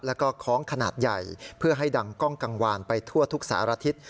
แล้วก็คล้องขนาดใหญ่เพื่อให้ดังกล้องกังวานไปทั่วทุกสารทิศ